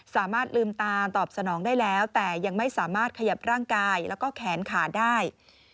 สามารถลืมตาตอบสนองได้แล้วแต่ยังไม่สามารถขยับร่างกายแล้วก็แขนขาได้